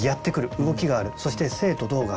動きがあるそして「静」と「動」がある。